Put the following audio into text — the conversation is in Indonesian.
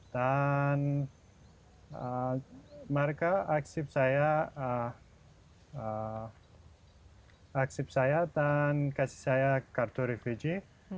dan mereka mengakses saya dan memberikan saya kartu refuji